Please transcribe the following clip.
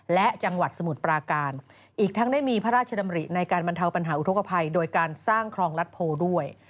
และจังหวัดสมุทรปราการอีกทั้งได้มีพระราชดำริในการบรรเทาปัญหาอุทธกภัยโดยการสร้างครองรัฐโพด้วย